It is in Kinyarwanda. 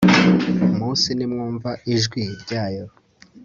munsi nimwumva ijwi ryayo